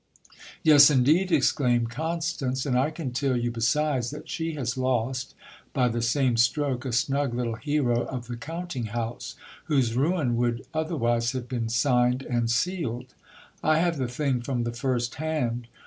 Yes, indeed, exclaimed Constance ; and I can tell you besides that she has lost, by the same stroke, a snug little hero of the counting house, whose ruin would otherwise have been signed and sealed I have the thing from the first hand.